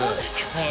はい。